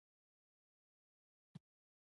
ساتونکي په داسې مسیر کې واقع شول.